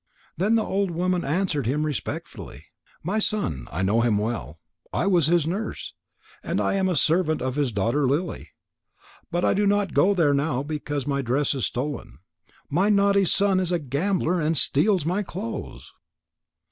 Then the old woman answered him respectfully: "My son, I know him well. I was his nurse. And I am a servant of his daughter Lily. But I do not go there now because my dress is stolen. My naughty son is a gambler and steals my clothes."